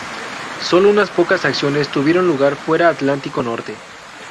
Sólo unas pocas acciones tuvieron lugar fuera Atlántico norte.